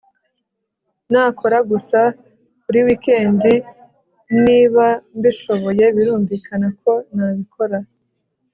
Nakora gusa muri wikendi niba mbishoboye Birumvikana ko nabikora